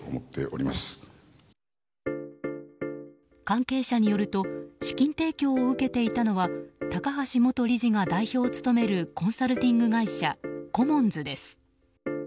関係者によると資金提供を受けていたのは高橋元理事が代表を務めるコンサルティング会社コモンズです。